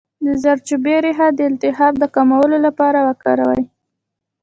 د زردچوبې ریښه د التهاب د کمولو لپاره وکاروئ